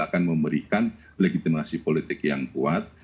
akan memberikan legitimasi politik yang kuat